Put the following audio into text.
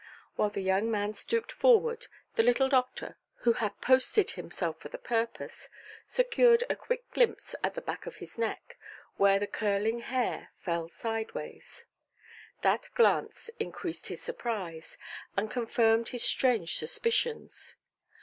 While the young man stooped forward, the little doctor, who had posted himself for the purpose, secured a quick glimpse at the back of his neck, where the curling hair fell sideways. That glance increased his surprise, and confirmed his strange suspicions.